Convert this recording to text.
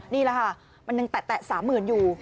นี่แหละค่ะมันยังแตะ๓๐๐๐อยู่